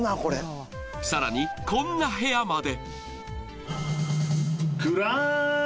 更に、こんな部屋まで。